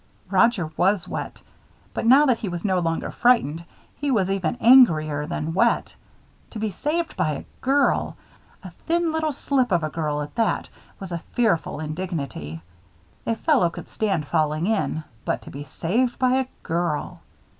Roger was wet. But now that he was no longer frightened, he was even angrier than wet. To be saved by a girl a thin little slip of a girl at that was a fearful indignity. A fellow could stand falling in. But to be saved by a girl!